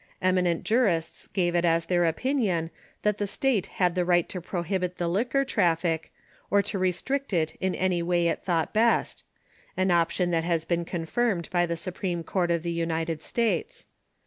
Eminent jurists gave it as theii' opinion that the state had the right to prohibit the liquor traffic, or to restrict it in any way it thought best — an opinion that has been con firmed by the Supreme Court of the United States.